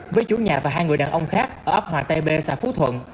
với chủ nhà và hai người đàn ông khác ở ấp hòa tây b xã phú thuận